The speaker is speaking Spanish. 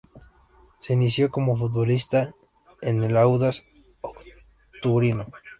Se inició como futbolista en el Audaz Octubrino.